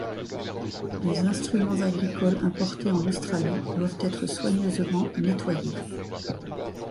Les instruments agricoles importés en Australie, doivent être soigneusement nettoyés.